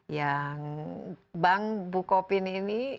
yang bank bu kopin ini